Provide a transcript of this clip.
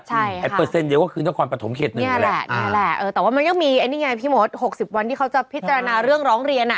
ใช่ค่ะนี่แหละแต่ว่ามันยังมีนี่ไงพี่หมด๖๐วันที่เขาจะพิจารณาเรื่องร้องเรียน